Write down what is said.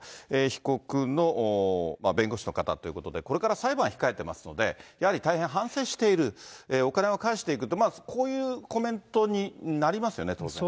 被告の弁護士の方ということで、これから裁判を控えていますので、やはり大変反省している、お金を返していくと、こういうコメントになりますよね、当然。